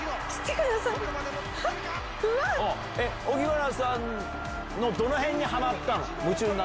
荻原さんのどのへんにハマったの？